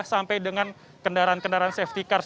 sampai dengan kendaraan kendaraan safety cars